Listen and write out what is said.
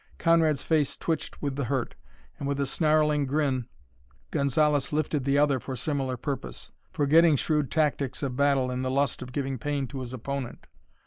Conrad's face twitched with the hurt, and with a snarling grin Gonzalez lifted the other for similar purpose, forgetting shrewd tactics of battle in the lust of giving pain to his opponent.